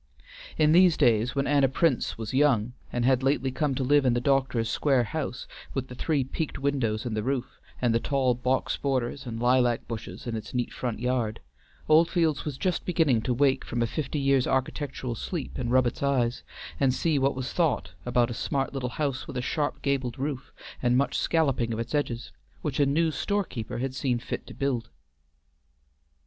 In these days when Anna Prince was young and had lately come to live in the doctor's square house, with the three peaked windows in the roof, and the tall box borders and lilac bushes in its neat front yard, Oldfields was just beginning to wake from a fifty years' architectural sleep, and rub its eyes, and see what was thought about a smart little house with a sharp gabled roof, and much scalloping of its edges, which a new store keeper had seen fit to build.